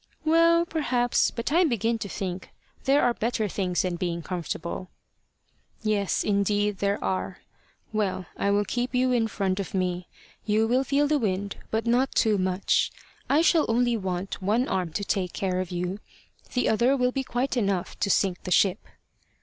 "Well, perhaps; but I begin to think there are better things than being comfortable." "Yes, indeed there are. Well, I will keep you in front of me. You will feel the wind, but not too much. I shall only want one arm to take care of you; the other will be quite enough to sink the ship."